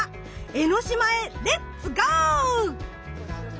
江の島へレッツ・ゴー！